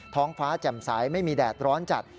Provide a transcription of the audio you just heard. ท้องฟ้าแจ่มใสไม่มีแดดร้อนจัด